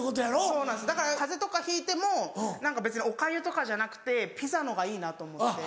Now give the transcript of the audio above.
そうなんですだから風邪とかひいても別におかゆとかじゃなくてピザのほうがいいなと思って。